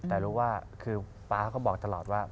แต่รู้ว่าคือป๊าเขาบอกตลอดว่า